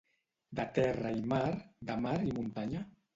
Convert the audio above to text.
de terra i mar, de mar i muntanya